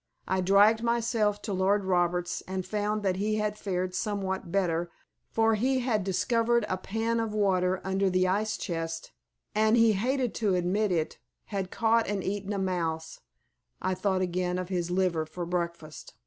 I dragged myself to Lord Roberts and found that he had fared somewhat better, for he had discovered a pan of water under the ice chest, and (he hated to admit it) had caught and eaten a mouse (I thought again of his liver for breakfast).